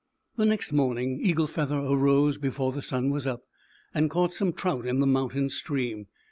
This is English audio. The next morning Eagle Feather arose before the sun was up, and caught some trout in the mountain stream.